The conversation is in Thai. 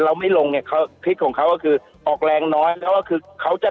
ไม่ลงเนี่ยเขาพลิกของเขาก็คือออกแรงน้อยแล้วก็คือเขาจะ